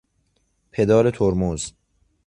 پدال ترمز